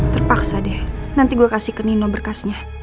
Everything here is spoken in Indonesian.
terpaksa deh nanti gue kasih ke nino berkasnya